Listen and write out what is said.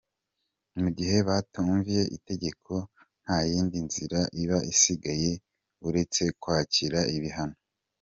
Mu gihe batumviye itegeko ntayindi nzira iba isigaye uretse kwakira ibihano.